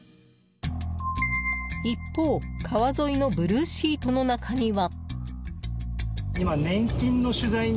一方、川沿いのブルーシートの中には。